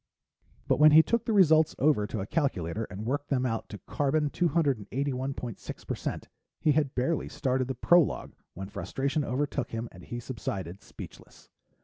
But when he took the results over to a calculator and worked them out to carbon 281.6% he had barely started the prologue when frustration overtook him and he subsided, speechless.